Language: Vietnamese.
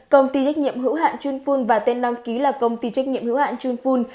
công ty trách nhiệm hữu hạn chuyên phun và tên đăng ký là công ty trách nhiệm hữu hạn chun full